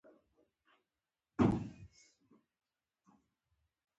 غول د ښځو د میاشتني حالت اثر لري.